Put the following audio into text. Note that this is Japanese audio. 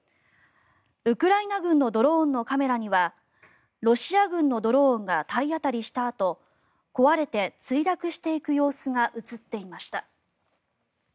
ウクライナ軍のドローンのカメラにはロシア軍のドローンが体当たりしたあと壊れて墜落していく様子が映っていました。